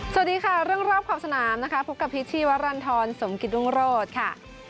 สวัสดีค่ะเรื่องรอบขอบสนามนะคะพบกับพิษชีวรรณฑรสมกิตรุงโรธค่ะ